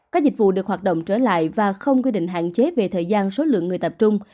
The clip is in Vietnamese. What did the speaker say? các dịch vụ được hoạt động trở lại và không quy định hạn chế về thời gian số lượng người tập trung